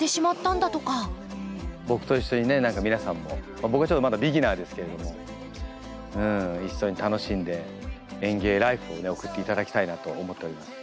僕と一緒にね何か皆さんも僕はちょっとまだビギナーですけれども一緒に楽しんで園芸ライフをね送って頂きたいなと思っております。